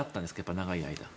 長い間。